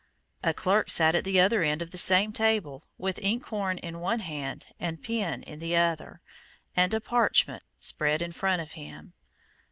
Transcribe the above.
A clerk sat at the other end of the same table, with inkhorn in one hand and pen in the other, and a parchment spread in front of him.